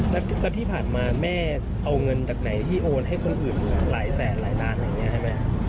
แล้วที่ผ่านมาแม่เอาเงินจากไหนที่โอนให้คนอื่นหลายแสนหลายล้านอย่างนี้ใช่ไหม